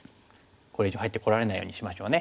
これ以上入ってこられないようにしましょうね。